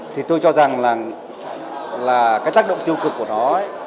thì tôi cho rằng là cái tác động tiêu cực của nó